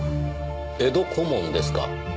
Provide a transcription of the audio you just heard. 江戸小紋ですか。